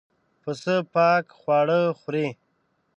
پسه پاک خواړه خوري.